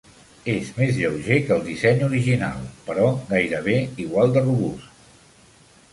És més lleuger que el disseny original, però gairebé igual de robust.